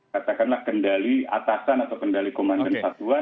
katakanlah kendali atasan atau kendali komandan satuan